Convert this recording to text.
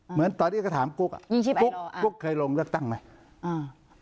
เหมือนตอนนี้ก็ถามกุ๊กกุ๊กเคยลงเลือกตั้งไหม